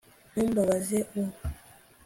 ntumbabaze ubu